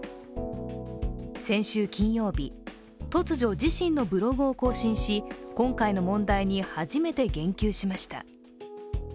先週金曜日、突如、自身のブログを更新し、今回の問題に初めて言及しました。